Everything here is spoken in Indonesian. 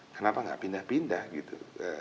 kenapa nggak pindah pindah gitu